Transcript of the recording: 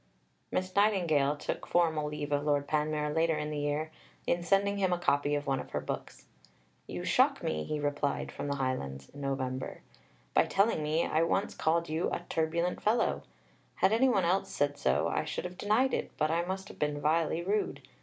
Miss Nightingale took formal leave of Lord Panmure later in the year, in sending him a copy of one of her books. "You shock me," he replied from the Highlands (Nov.), "by telling me I once called you 'a turbulent fellow.' Had any one else said so, I should have denied it, but I must have been vilely rude.